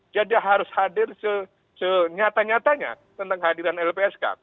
jadi harus hadir senyata nyatanya tentang hadiran lpsk